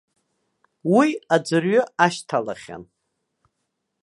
Уи аӡәырҩы ашьҭалахьан.